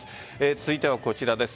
続いてはこちらです。